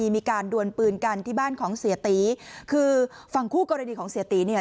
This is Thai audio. มีการดวนปืนกันที่บ้านของเสียตีคือฝั่งคู่กรณีของเสียตีเนี่ย